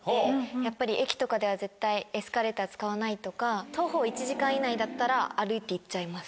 やっぱり駅とかでは絶対エスカレーター使わないとか徒歩１時間以内だったら歩いて行っちゃいます